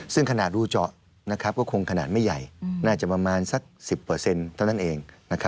ซึ่งขนาดรูเจาะก็คงขนาดไม่ใหญ่น่าจะประมาณสัก๑๐เท่านั้นเอง